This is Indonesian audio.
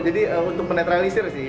jadi untuk menetralisir sih